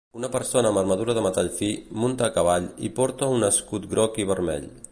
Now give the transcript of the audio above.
Un persona amb armadura de metall fi, munta a cavall i porta un escut groc i vermell.